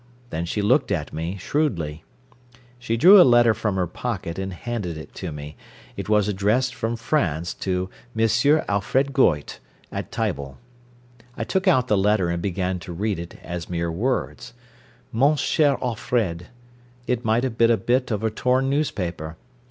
Then she looked at me shrewdly. She drew a letter from her pocket, and handed it to me. It was addressed from France to M. Alfred Goyte, at Tible. I took out the letter and began to read it, as mere words. "Mon cher Alfred" it might have been a bit of a torn newspaper.